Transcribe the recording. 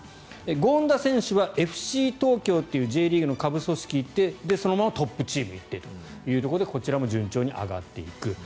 権田選手はＦＣ東京というＪリーグの下部組織に行ってそのままトップチームに行ってということでこちらも順調に上がっていく。